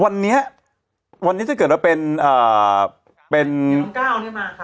วันเนี้ยวันเนี้ยจะเกิดว่าเป็นอ่าเป็นนี่น้องก้าวเนี้ยมาค่ะ